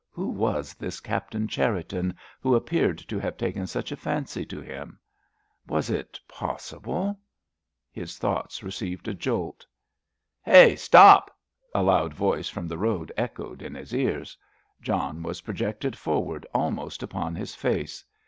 Who was this Captain Cherriton, who appeared to have taken such a fancy to him? Was it possible——? His thoughts received a jolt. "Hey, stop!" a loud voice from the road echoed in his ears. John was projected forward almost upon his face.